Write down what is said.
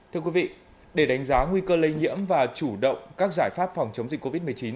thưa quý vị để đánh giá nguy cơ lây nhiễm và chủ động các giải pháp phòng chống dịch covid một mươi chín